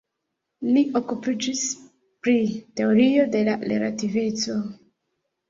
Li okupiĝis pri teorio de la relativeco.